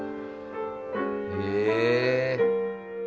へえ。